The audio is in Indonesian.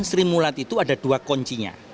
di dalam sri mulat itu ada dua kuncinya